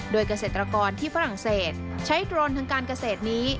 โดยเกษตรกรที่ฝรั่งเศสใช้โดรนทางการเกษตรนี้